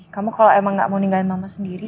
kamu kalau emang gak mau ninggalin mama sendiri